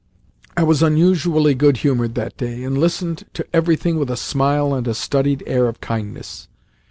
I was unusually good humoured that day, and listened to everything with a smile and a studied air of kindness.